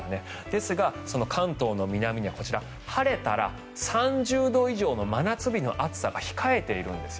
ですが、関東の南に晴れたら３０度以上の真夏日の暑さが控えているんです。